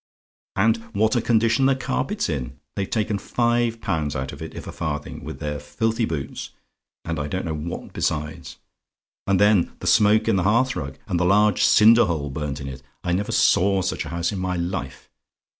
"And what a condition the carpet's in! They've taken five pounds out of it, if a farthing, with their filthy boots, and I don't know what besides. And then the smoke in the hearthrug, and a large cinder hole burnt in it! I never saw such a house in MY life!